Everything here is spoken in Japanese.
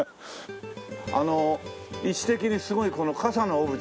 あの位置的にすごいこの傘のオブジェがね